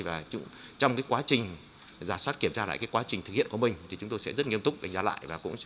và trong cái quá trình giả soát kiểm tra lại cái quá trình thực hiện của mình thì chúng tôi sẽ rất nghiêm túc đánh giá lại